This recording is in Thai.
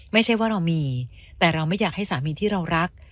ไม่ใช่ว่าเรามีแต่เราไม่อยากให้สามีที่เรารัก